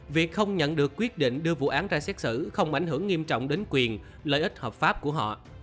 việc không nhận được quyết định đưa vụ án ra xét xử không ảnh hưởng nghiêm trọng đến quyền lợi ích hợp pháp của họ